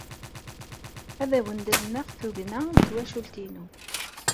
Ad awen-d-azneɣ tugna n twacult-inu.